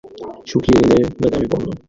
শুকিয়ে গেলে বাদামি বর্ণ।